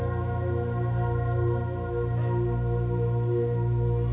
bagaimana kita bisa keluar